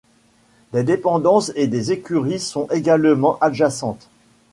Des dépendances et des écuries sont également adjacentes.